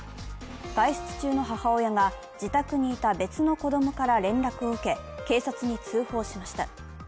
外出中の母親が、自宅にいた別の子供から連絡を受け、警察に通報しました。